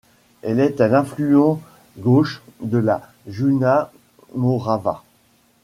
Elle est un affluent gauche de la Južna Morava.